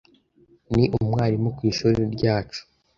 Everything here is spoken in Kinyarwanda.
Ni umwarimu ku ishuri ryacu.